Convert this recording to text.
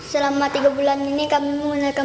terus ke sekolah pakai apa